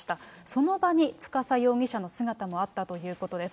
その場に司容疑者の姿もあったということです。